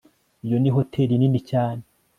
iyo ni hoteri nini cyane